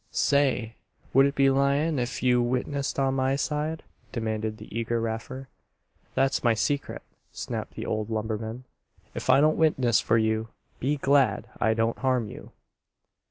"Say! Would it be lyin' ef you witnessed on my side?" demanded the eager Raffer. "That's my secret," snapped the old lumberman. "If I don't witness for you, be glad I don't harm you."